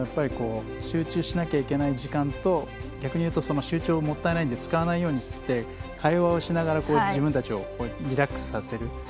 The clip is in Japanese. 集中しなければいけない時間と逆に言うと集中がもったいないので使わないようにして会話をしながら自分たちをリラックスさせる。